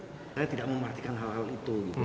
saya tidak memartikan hal hal itu